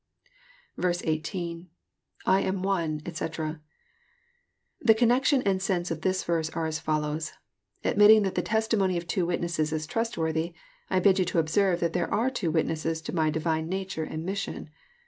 18. — {lam one, eto.] The connection and sense of this verse are as follows :" Admitting that the testimony of two witnesses is trustworthy, I bid you observe that there are two witnesses to My divine nature and mission.